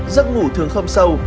giấc ngủ thường không sâu